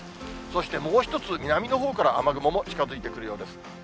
そしてもう１つ、南のほうから雨雲も近づいてくるようです。